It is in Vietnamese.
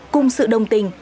cùng sự đồng tình